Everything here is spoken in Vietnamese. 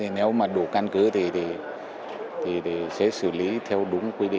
nếu mà đủ căn cứ thì sẽ xử lý theo đúng quy định